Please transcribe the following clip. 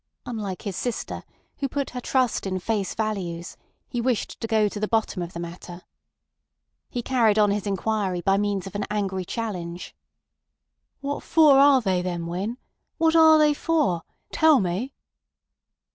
Unlike his sister, who put her trust in face values, he wished to go to the bottom of the matter. He carried on his inquiry by means of an angry challenge. "What for are they then, Winn? What are they for? Tell me."